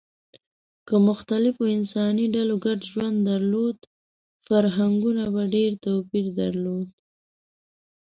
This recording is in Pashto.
که مختلفو انساني ډلو ګډ ژوند درلود، فرهنګونو به ډېر توپیر درلود.